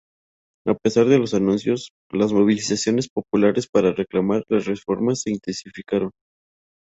A pesar de los anuncios, las movilizaciones populares para reclamar las reformas se intensificaron.